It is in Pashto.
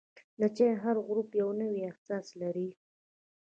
د چای هر غوړپ یو نوی احساس لري.